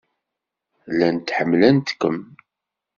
Llant ḥemmlent-kem.